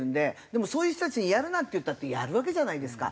でもそういう人たちに「やるな」って言ったってやるわけじゃないですか。